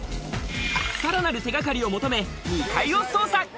さらなる手がかりを求め、２階を捜査！